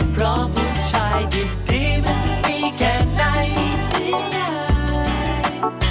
เพราะผู้ชายอยู่ที่มันมีแค่ในพิเศษ